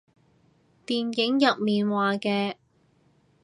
電影入面話嘅